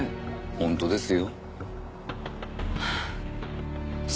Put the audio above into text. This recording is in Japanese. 本当ですよ。